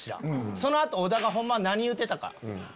その後織田がホンマは何言うてたか。